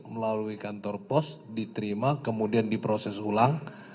melalui kantor pos diterima kemudian diproses ulang